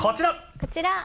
こちら！